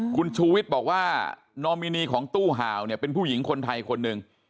คุณชูวิทย์บอกว่านอมินีของตู้ห่าวเนี่ยเป็นผู้หญิงคนไทยคนหนึ่ง